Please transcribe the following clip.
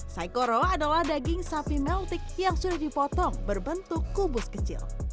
saikoro adalah daging sapi meltik yang sudah dipotong berbentuk kubus kecil